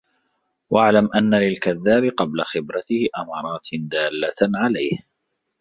وَاعْلَمْ أَنَّ لِلْكَذَّابِ قَبْلَ خِبْرَتِهِ أَمَارَاتٍ دَالَّةً عَلَيْهِ